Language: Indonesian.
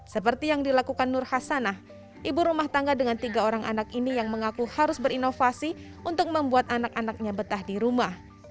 seperti yang dilakukan nur hasanah ibu rumah tangga dengan tiga orang anak ini yang mengaku harus berinovasi untuk membuat anak anaknya betah di rumah